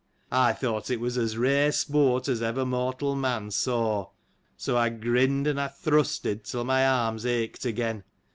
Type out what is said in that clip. * I thought it was as rare sport as ever mortal man saw : so, I grinned, and I thrusted, till my arms ached again.